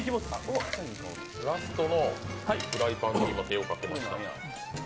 ラストのフライパンに手をかけました。